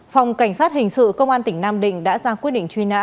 phòng cảnh sát hình sự công an tỉnh nam định đã ra quyết định truy nã